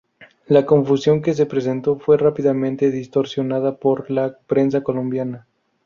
La confusión que se presentó fue rápidamente distorsionada por la prensa colombiana.